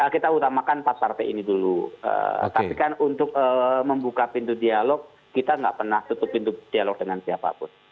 kita utamakan empat partai ini dulu tapi kan untuk membuka pintu dialog kita nggak pernah tutup pintu dialog dengan siapapun